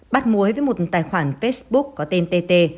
bắt mối với một tài khoản facebook có tên tt